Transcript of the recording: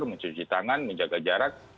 mencuci tangan menjaga jarak